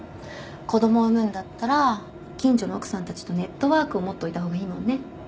子供産むんだったら近所の奥さんたちとネットワークを持っといた方がいいもんね。